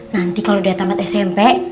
nanti kalau dia tamat smp